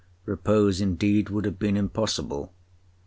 Repose indeed would have been impossible.